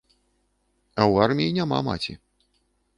А ў арміі няма маці.